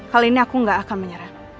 kali ini aku gak akan menyerah